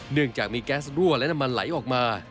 เนื่องจากมีแก๊สรั่วและน้ำมันไหลออกมา